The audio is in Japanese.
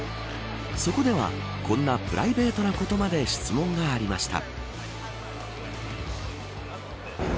そこではこんなプライベートのことまで質問がありました。